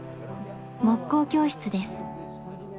木工教室です。